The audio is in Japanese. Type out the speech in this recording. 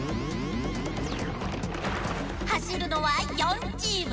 はしるのは４チーム。